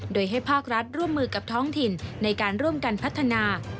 โดยให้ภาครัฐร่วมมือกับท้องถิ่นในการร่วมกันพัฒนา